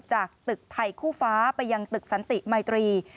จากตึกไทยคู่ฟ้าไปยังตึกสันติมัยตรี